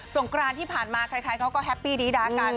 สงครานที่ผ่านมาคล้ายเขาก็แฮปปี้ดีด้ากัน